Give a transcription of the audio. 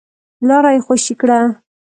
لاره يې خوشې کړه.